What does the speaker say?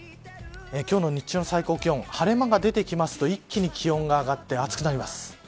今日の日中の最高気温晴れ間が出てくると一気に気温が上がって暑くなります。